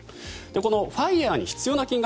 ＦＩＲＥに必要な金額